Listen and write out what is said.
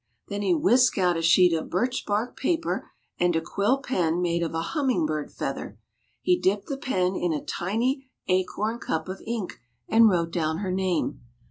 Then he whisked out a sheet of birch bark paper, and a quill pen made of a humming bird feather. He dipped the pen in a tiny acorn cup of ink and Avrote down her name.